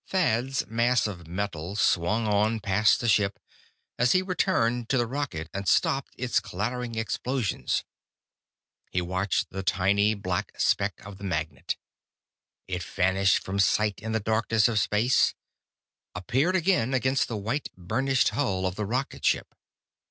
Thad's mass of metal swung on past the ship, as he returned to the rocket and stopped its clattering explosions. He watched the tiny black speck of the magnet. It vanished from sight in the darkness of space, appeared again against the white, burnished hull of the rocket ship.